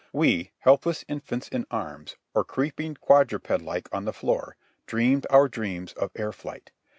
We, helpless infants in arms or creeping quadruped like on the floor, dreamed our dreams of air flight.